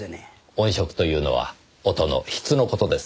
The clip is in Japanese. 音色というのは音の質の事ですね。